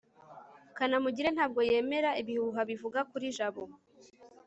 kanamugire ntabwo yemera ibihuha bivuga kuri jabo